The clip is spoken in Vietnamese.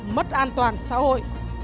mất an toàn xã hội